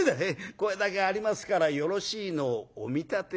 「これだけありますからよろしいのをお見立てを願います」。